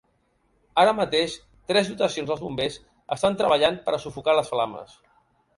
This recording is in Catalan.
Ara mateix, tres dotacions dels bombers estan treballant per a sufocar les flames.